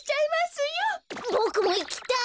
ボクもいきたい！